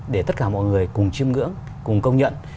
để tất cả mọi người cùng chiêm ngưỡng cùng công nhận